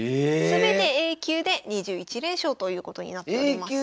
すべてＡ級で２１連勝ということになっております。